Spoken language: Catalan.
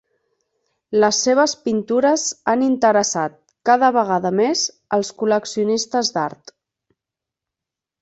Les seves pintures han interessat, cada vegada més, els col·leccionistes d'art.